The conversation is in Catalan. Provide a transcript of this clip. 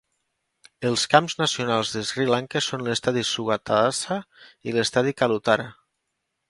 Els camps nacionals de Sri Lanka són l'estadi Sugathadasa i l'estadi Kalutara.